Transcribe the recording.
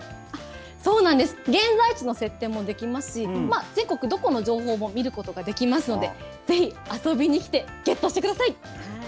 そうなんです、現在地の設定もできますし、全国どこの情報も見ることができますので、ぜひ遊びに来てゲットしてください。